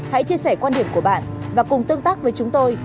hãy chia sẻ quan điểm của bạn và cùng tương tác với chúng tôi